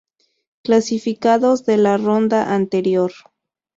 Clasificados de la ronda anterior.